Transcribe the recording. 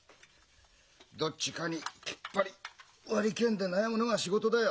どっちかにきっぱり割り切れんで悩むのが仕事だよ。